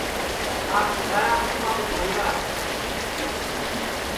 ناک ٻیدھایا سپا دُؔکھ ہوئیرا ہے